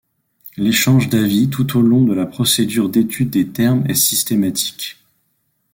L'échange d’avis tout au long de la procédure d'étude des termes est systématique.